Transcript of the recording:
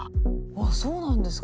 そうなんですか？